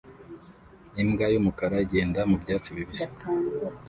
Imbwa yumukara igenda mubyatsi bibisi